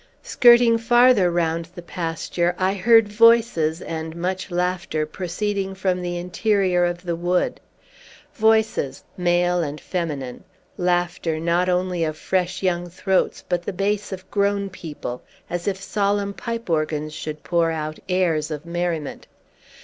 Skirting farther round the pasture, I heard voices and much laughter proceeding from the interior of the wood. Voices, male and feminine; laughter, not only of fresh young throats, but the bass of grown people, as if solemn organ pipes should pour out airs of merriment.